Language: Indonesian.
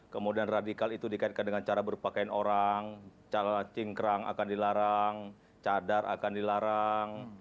kemudian radikal itu dikaitkan dengan cara berpakaian orang cingkrang akan dilarang cadar akan dilarang